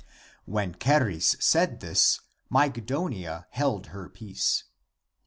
WHien Charis said this, Mygdonia held her peace.